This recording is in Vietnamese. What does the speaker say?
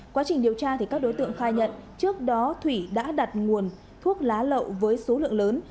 quá trình điều tra các đối tượng khai nhận trước đó thủy đã đặt nguồn thuốc lá lậu với số lượng lớn